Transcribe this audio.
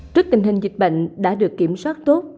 trước tình hình dịch bệnh đã được kiểm soát tốt